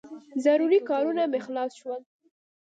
ضروري کارونه مې خلاص شول.